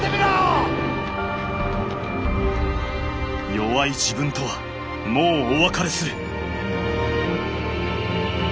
弱い自分とはもうお別れする。